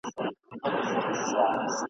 دی یې تش له لوی اوازه وېرېدلی ..